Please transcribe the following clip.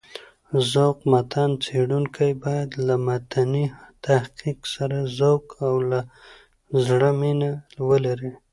ذوق متن څېړونکی باید له متني تحقيق سره ذوق او له زړه مينه ولري.